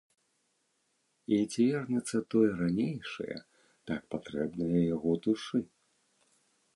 І ці вернецца тое ранейшае, так патрэбнае яго душы?